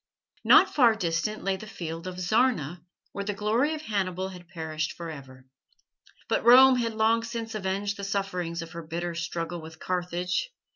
Not far distant lay the field of Zarna, where the glory of Hannibal had perished for ever. But Rome had long since avenged the sufferings of her bitter struggle with Carthage.